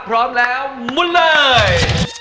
พร้อมแล้วมุนเลย